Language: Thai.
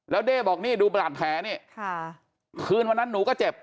แล้วเด้บอกนี่ดูประหลาดแผลนี่ค่ะคืนวันนั้นหนูก็เจ็บ